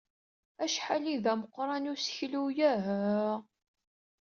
Acḥal ay d ameqran useklu-a!